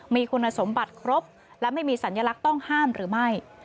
มีคุณสมบัติครบและไม่มีสัญลักษณ์ต้องห้ามหรือไม่